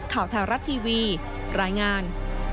ข่าวไทยรัฐทีวีรายงาน